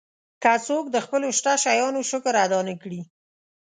که څوک د خپلو شته شیانو شکر ادا نه کړي.